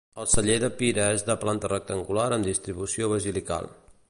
El celler de Pira és de planta rectangular amb distribució basilical.